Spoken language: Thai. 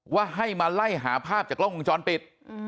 ว่าให้มาไล่หาภาพจากกล้องวงจรปิด